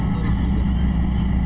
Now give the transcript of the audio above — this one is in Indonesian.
terima kasih pak